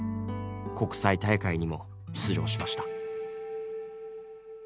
国際大会にも出場しました。